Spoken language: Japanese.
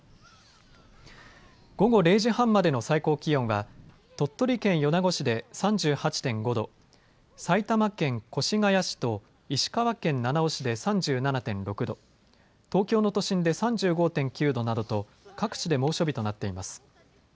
午後０時半までの最高気温は鳥取県米子市で３８．５度、埼玉県越谷市と石川県七尾市で３７．６度、東京の都心で３５．９度などと各地で猛暑日となっています。